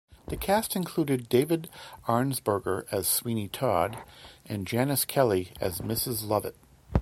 The cast included David Arnsperger as Sweeney Todd and Janis Kelly as Mrs. Lovett.